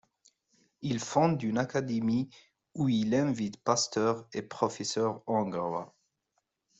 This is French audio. Il fonde une académie où il invite pasteurs et professeurs hongrois.